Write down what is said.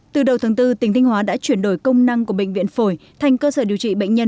từ đầu tháng bốn tỉnh thanh hóa đã chuyển đổi công năng của bệnh viện phổi thành cơ sở điều trị bệnh nhân